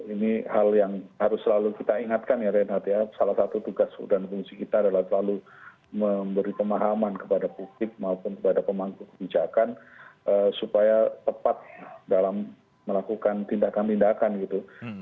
ini hal yang harus selalu kita ingatkan ya reinhardt ya salah satu tugas dan fungsi kita adalah selalu memberi pemahaman kepada publik maupun kepada pemangku kebijakan supaya tepat dalam melakukan tindakan tindakan gitu